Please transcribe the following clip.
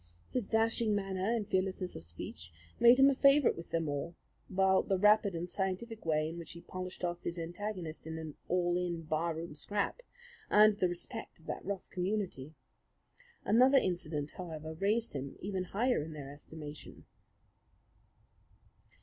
His dashing manner and fearlessness of speech made him a favourite with them all; while the rapid and scientific way in which he polished off his antagonist in an "all in" bar room scrap earned the respect of that rough community. Another incident, however, raised him even higher in their estimation.